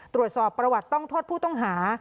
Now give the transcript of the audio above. ตรวจสอบประวัติต้องโทษผู้ต้องหา